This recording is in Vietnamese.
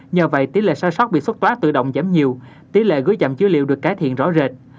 nhờ vậy tỷ lệ sai sót bị xuất tòa tự động giảm nhiều tỷ lệ gửi chậm dữ liệu được cải thiện rõ rệt